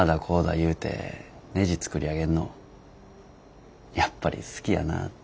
言うてねじ作り上げんのやっぱり好きやなぁて。